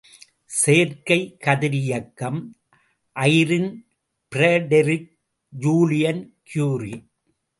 செயற்கைக் கதிரியக்கம் Irene, Frederic Julian Curie.